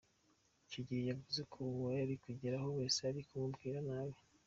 Icyo gihe yavuze ko uwo ari kugeraho wese ari kumubwira nabi.